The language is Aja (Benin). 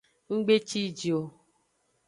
Nggbe ciji o.